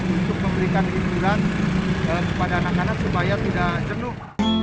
untuk memberikan hiburan kepada anak anak supaya tidak jenuh